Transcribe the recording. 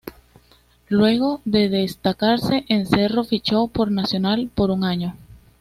Luego de destacarse en Cerro fichó por Nacional por un año.